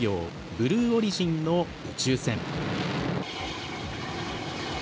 ブルーオリジンの宇宙船。